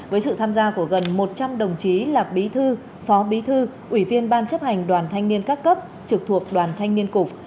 với sự tham gia của gần một trăm linh đồng chí là bí thư phó bí thư ủy viên ban chấp hành đoàn thanh niên các cấp trực thuộc đoàn thanh niên cục